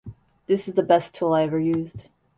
This is the best tool I've ever used.